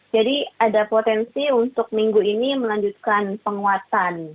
jadi ada potensi untuk minggu ini melanjutkan penguatan